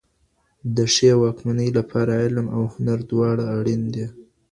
د ښې واکمنۍ لپاره علم او هنر دواړه اړين دي.